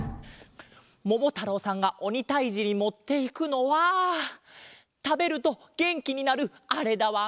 ももたろうさんがおにたいじにもっていくのはたべるとげんきになるあれだわん。